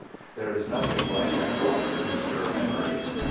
There is nothing like an odor to stir memories.